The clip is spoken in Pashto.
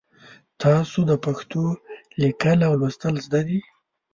تاسو د پښتو لیکل او لوستل زده دي؟